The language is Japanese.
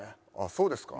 そうですか？